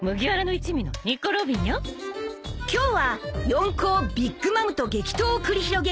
今日は四皇ビッグ・マムと激闘を繰り広げる